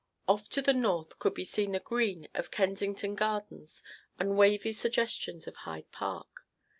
Off to the north could be seen the green of Kensington Gardens and wavy suggestions of Hyde Park.